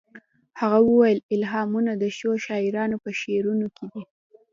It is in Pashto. هغه وویل الهامونه د ښو شاعرانو په شعرونو کې دي